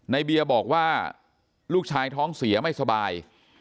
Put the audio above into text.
ในเบียบอกว่าลูกชายท้องเสียไม่สบาย